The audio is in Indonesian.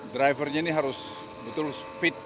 drivernya ini harus fit